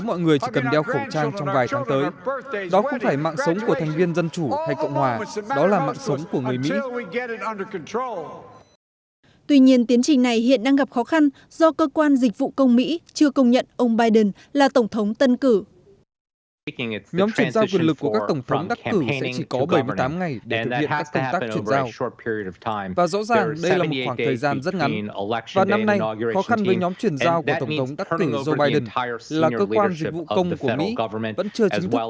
vẫn chưa chính thức cử văn bản công nhận ông biden là tổng thống tân cử